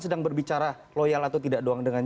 sedang berbicara loyal atau tidak doang dengan